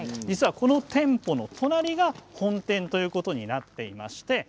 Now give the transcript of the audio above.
この店舗の隣が本店ということになっています。